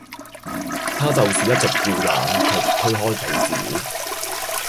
她就是一直叫冷卻推開被子